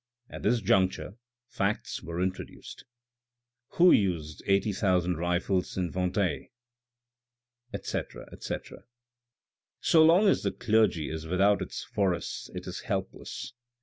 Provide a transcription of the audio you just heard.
At this juncture facts were introduced. " Who used eighty thousand rifles in Vendee ?" etc., etc. " So long as the clergy is without its forests it is helpless.